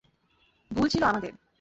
ভুল ছিল আমাদের।